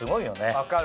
分かる！